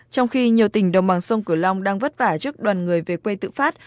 trong khi nhiều tỉnh đồng bằng sông cửu long đang vất vả trước đoàn người về quê tự phát